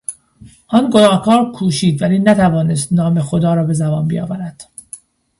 آن گناهکار کوشید ولی نتوانست نام خدا را به زبان بیاورد.